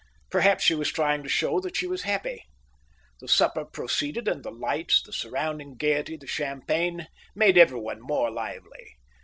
Perhaps she was trying to show that she was happy. The supper proceeded, and the lights, the surrounding gaiety, the champagne, made everyone more lively.